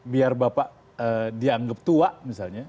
biar bapak dianggap tua misalnya